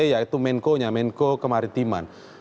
yaitu menko nya menko kemaritiman